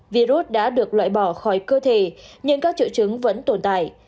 virus đã được loại bỏ khỏi cơ thể nhưng các triệu chứng vẫn tồn tại